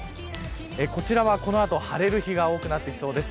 こちらはこの後、晴れる日が多くなってきそうです。